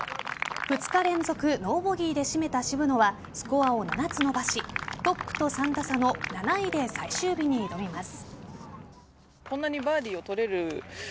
２日連続ノーボギーで締めた渋野はスコアを７つ伸ばしトップと３打差の７位で最終日に挑みます。